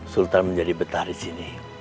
sultan menjadi betah disini